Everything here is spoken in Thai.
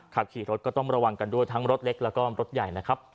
ขับขี่รถก็ต้องระวังกันด้วยทั้งรถเล็กแล้วก็รถใหญ่นะครับ